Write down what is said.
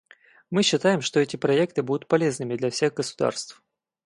Мы считаем, что эти проекты будут полезными для всех государств.